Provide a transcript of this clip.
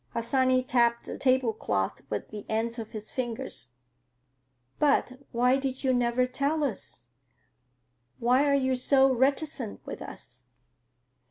Harsanyi tapped the tablecloth with the ends of his fingers. "But why did you never tell us? Why are you so reticent with us?"